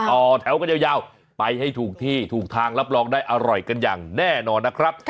ต่อแถวกันยาวไปให้ถูกที่ถูกทางรับรองได้อร่อยกันอย่างแน่นอนนะครับ